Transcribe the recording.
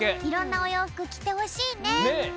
いろんなおようふくきてほしいね！ね！